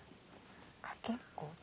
かけっこと。